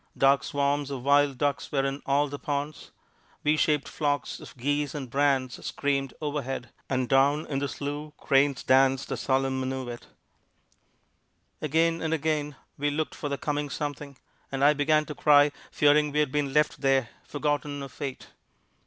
Dark swarms of wild ducks were in all the ponds; V shaped flocks of geese and brants screamed overhead, and down in the slough cranes danced a solemn minuet. Again and again we looked for the coming something, and I began to cry, fearing we had been left there, forgotten of Fate.